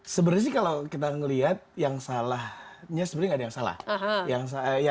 sebenarnya sih kalau kita melihat yang salahnya sebenarnya tidak ada yang salah